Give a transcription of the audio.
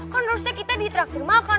kan harusnya kita diteraktif makan